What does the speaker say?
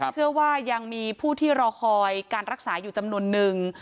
เชื่อว่ายังมีผู้ที่รอคอยการรักษาอยู่จำนวนนึง